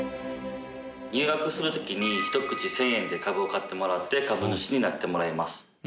入学する時に１口１０００円で株を買ってもらって株主になってもらいます。